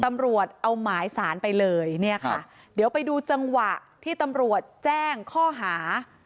ตำรวจเอาหมายสารไปเลยเนี่ยค่ะเดี๋ยวไปดูจังหวะที่ตำรวจแจ้งข้อหา